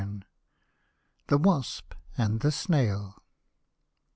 THE WASP AND THE SNAIL.